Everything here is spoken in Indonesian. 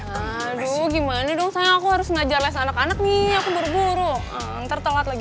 aduh gimana dong soalnya aku harus ngajar les anak anak nih aku buru buru ntar telat lagi